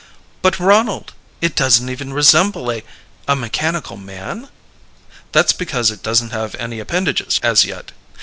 "But, Ronald it doesn't even resemble a a mechanical man?" "That's because it doesn't have any appendages as yet.